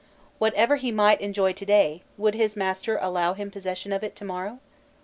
Whatever he might enjoy to day, would his master allow him possession of it to morrow?